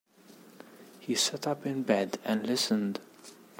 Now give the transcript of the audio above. He sat up in bed and listened.